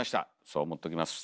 そう思っときます。